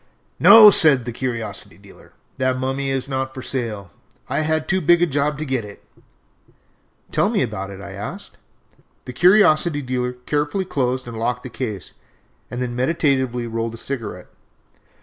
"No," said the curiosity dealer, "that mummy is not for sale. I had too big a job to get it." "Tell me about it," I asked. The curiosity dealer carefully closed and locked the case, and then meditatively rolled a cigarette.